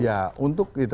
ya untuk itu